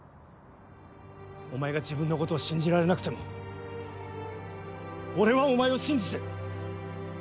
お前が自分のことを信じられなくても俺はお前を信じてる。